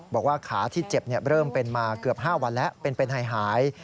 บอกว่าขาที่เจ็บเริ่มเป็นมาเกือบ๕วันแล้วเป็นหาย